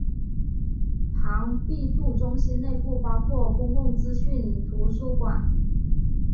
庞毕度中心内部包括公共资讯图书馆。